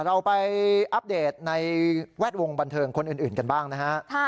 เราไปอัปเดตในแวดวงบันเทิงคนอื่นกันบ้างนะฮะ